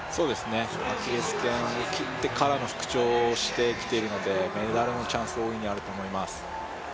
アキレスけんを切ってからの復調をしてきているので、メダルのチャンス大いにあると思います。